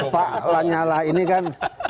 pak lanyala ini kan punya kemampuan